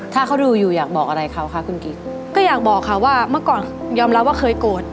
ถ้าเขาดูอยู่อยากบอกอะไรเขาคะคุณกิ๊กก็อยากบอกค่ะว่าเมื่อก่อนยอมรับว่าเคยโกรธ